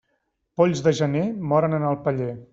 Polls de gener, moren en el paller.